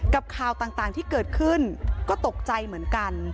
ข่าวต่างที่เกิดขึ้นก็ตกใจเหมือนกัน